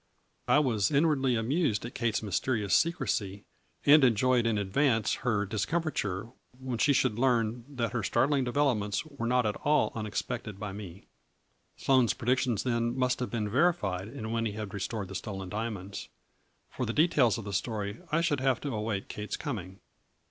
A FLUB nr IN DIAMONDS. 99 I was inwardly amused at Kate's mysterious secrecy, and enjoyed in advance her discomfiture when she should learn that her startling develop ments were not at all unexpected by me. Sloane's predictions then must have been veri fied and Winnie had restored the stolen dia monds. For the details of the story I should have to await Kate's coming.